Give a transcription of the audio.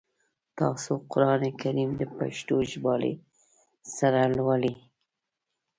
تاسو قرآن کریم د پښتو ژباړي سره لولی ؟